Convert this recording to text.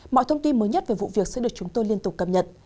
mọi thông tin mới nhất về vụ việc sẽ được chúng tôi liên tục cập nhật